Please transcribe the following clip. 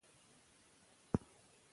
که تربیت وي نو اخلاق نه مري.